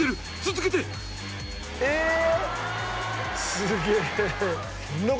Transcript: すげえ。